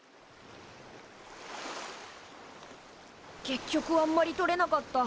結局あんまり採れなかった。